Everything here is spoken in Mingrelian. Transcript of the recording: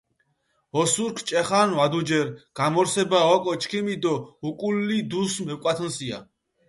ოსურქ ჭე ხანს ვადუჯერ, გამორსება ოკო ჩქიმი დო უკული დუს მეპკვათუნსია.